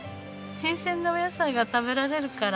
新鮮なお野菜が食べられるから。